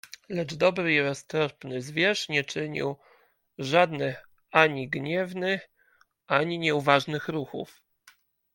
Lecz dobry i roztropny zwierz nie czynił żadnych ani gniewnych, ani nieuważnych ruchów.